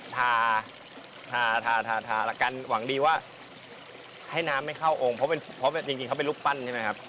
ทาทากันหวังดีว่าให้น้ำไม่เข้าองค์เพราะจริงเขาเป็นรูปปั้นใช่ไหมครับ